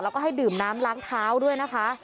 แล้วก็ให้ดื่มน้ำล้างเท้าด้วยนะคะ